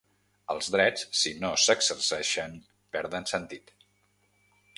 Els drets, si no s'exerceixen, perden sentit.